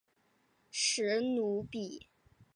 史努比。